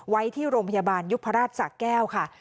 ไว้ที่โรงพยาบาลยุพราชสะแก้วค่ะ